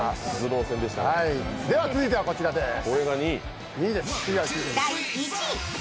では続いてはこちらです。